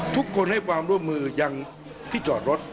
ทุกคนให้ความร่วมมือยังที่จอดรถ